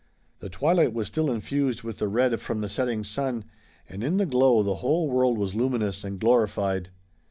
The twilight was still infused with the red from the setting sun, and in the glow the whole world was luminous and glorified.